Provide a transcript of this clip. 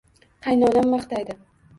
Qaynonam maqtaydi